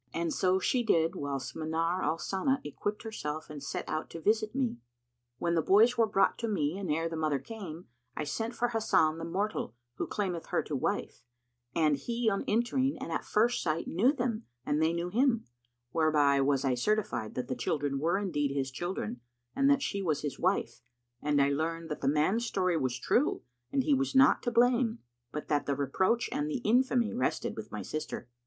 And she did so, whilst Manar al Sana equipped herself and set out to visit me. When the boys were brought to me and ere the mother came, I sent for Hasan the mortal who claimeth her to wife, and he on entering and at first sight knew them and they knew him; whereby was I certified that the children were indeed his children and that she was his wife and I learned that the man's story was true and he was not to blame, but that the reproach and the infamy rested with my sister.